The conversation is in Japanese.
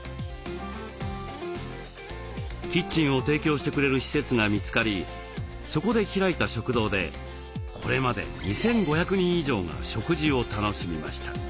キッチンを提供してくれる施設が見つかりそこで開いた食堂でこれまで２，５００人以上が食事を楽しみました。